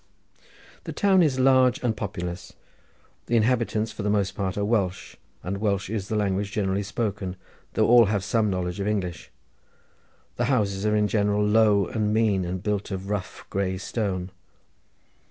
The town is large and populous. The inhabitants for the most part are Welsh, and Welsh is the language generally spoken, though all have some knowledge of English. The houses are in general low and mean, and built of rough grey stone.